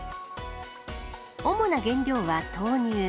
主な原料は豆乳。